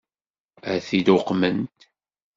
Ad t-id-uqment?